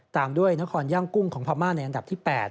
ตามด้วยนครย่างกุ้งของพม่าในอันดับที่๘